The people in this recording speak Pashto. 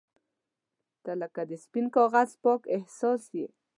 • ته لکه د سپین کاغذ پاک احساس یې.